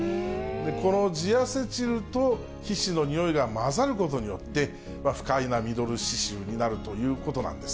このジアセチルと皮脂のにおいが混ざることによって、不快なミドル脂臭になるということなんです。